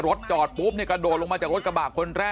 โดดโดดลูกหลงนะฮะ